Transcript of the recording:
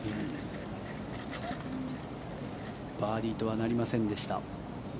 バーディーとはなりませんでした。